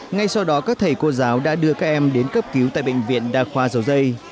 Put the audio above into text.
ngay sau đó các thầy cô giáo đã đưa các em đến cấp cứu tại bệnh viện đa khoa dầu dây